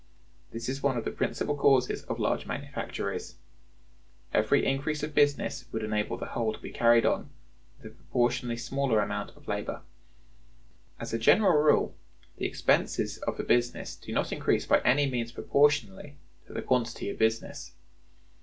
This is one of the principal causes of large manufactories. Every increase of business would enable the whole to be carried on with a proportionally smaller amount of labor. As a general rule, the expenses of a business do not increase by any means proportionally to the quantity of business.